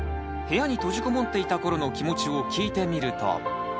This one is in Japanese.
部屋に閉じこもっていた頃の気持ちを聞いてみると。